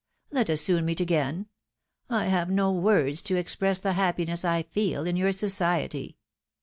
Let us soon meet again. I have no words to express the happiness L feel in your society.